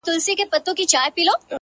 ستا د هيندارو په لاسونو کي به ځان ووينم-